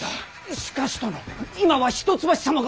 しかし殿今は一橋様が。